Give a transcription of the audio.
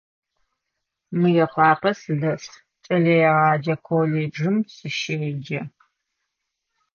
Мыекъуапэ сыдэс, кӏэлэегъэджэ колледжым сыщеджэ.